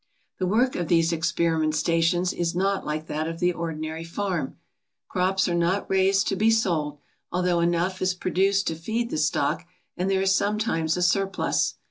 The work of these experiment stations is not like that of the ordinary farm. Crops are not raised to be sold, al though enough is produced to feed the stock and there is sometimes a surplus.